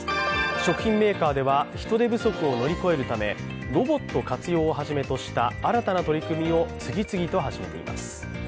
食品メーカーでは人手不足を乗り越えるためロボット活用をはじめとした新たな取り組みを次々と始めています。